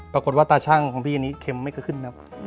ปรากฏว่าตาช่างของพี่อันนี้เค็มไม่เกิดขึ้นนะครับ